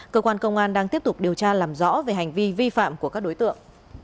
cơ quan công an đang tiếp tục điều tra làm rõ về hành vi vi phạm của các đối tượng